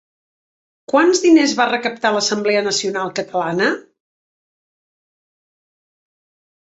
Quants diners va recaptar l'Assemblea Nacional Catalana?